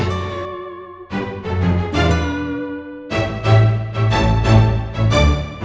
aduh gimana ya